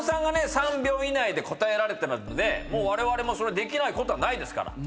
３秒以内で答えられてるのでわれわれもそれできないことはないですから。